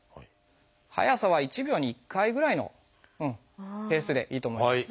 速さは１秒に１回ぐらいのペースでいいと思います。